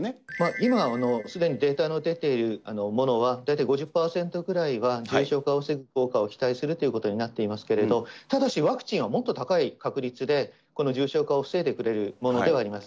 今はすでにデータの出ているものは、大体５０％ぐらいは重症化を防ぐ効果を期待するということになっていますけれども、ただし、ワクチンはもっと高い確率でこの重症化を防いでくれるものではあります。